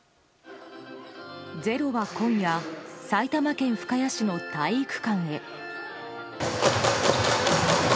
「ｚｅｒｏ」は今夜埼玉県深谷市の体育館へ。